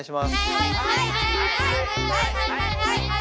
はい。